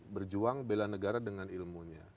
berjuang bela negara dengan ilmunya